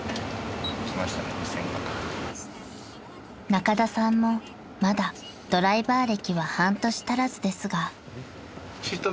［仲田さんもまだドライバー歴は半年足らずですが］